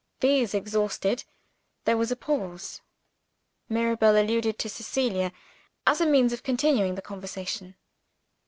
These exhausted there was a pause. Mirabel alluded to Cecilia, as a means of continuing the conversation.